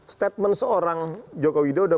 statement seorang jokowi dodo